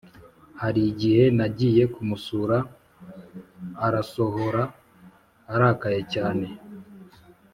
harigihe nagiye kumusura arasohora arakaye cyane